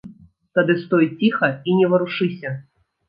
Тады стой ціха і не варушыся.